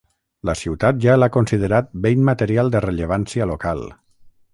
La ciutat ja l'ha considerat Bé Immaterial de Rellevància Local.